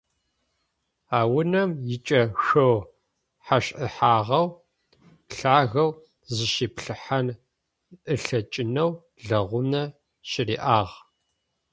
А унэм икӏашъо хэшӏыхьагъэу, лъагэу, зыщиплъыхьэн ылъэкӏынэу лэгъунэ щыриӏагъ.